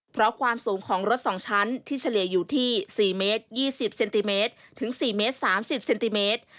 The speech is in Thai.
เพราะความสูงของรถ๒ชั้นที่เฉลี่ยอยู่ที่๔เมตร๒๐เซนติเมตรถึง๔เมตร๓๐เซนติเมตร